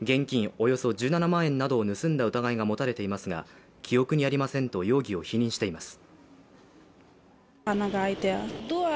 およそ１７万円などを盗んだ疑いが持たれていますが記憶にありませんと容疑を否認しています。